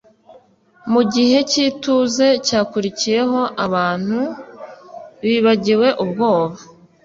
mu gihe cy’ituze cyakurikiyeho, abantu bibagiwe ubwoba